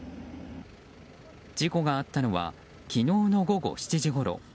事故があったのは昨日の午後７時ごろ。